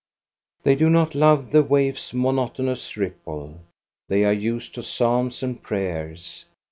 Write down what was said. They do not love the waves' monotonous ripple. They are used to psalms and prayers.